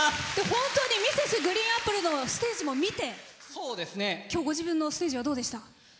本当にＭｒｓ．ＧＲＥＥＮＡＰＰＬＥのステージも見て今日、ご自分のステージはどうでした？